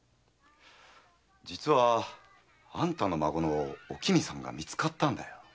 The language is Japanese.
実はあんたの孫のおきみさんが見つかったんだよ。